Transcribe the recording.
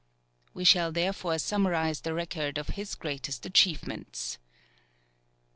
We shall therefore summarize the record of his greatest achievements.